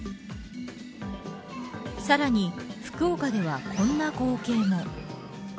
さらに福岡ではこんな光景も。